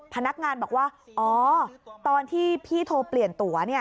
พนักงานบอกว่าอ๋อตอนที่พี่โทรเปลี่ยนตัว